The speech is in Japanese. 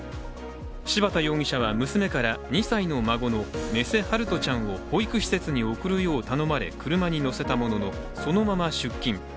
柴田容疑者は娘から２歳の孫の目瀬陽翔ちゃんを保育施設に送るよう頼まれ車に乗せたものの、そのまま出勤。